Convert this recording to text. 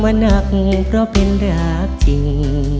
นักเพราะเป็นรักจริง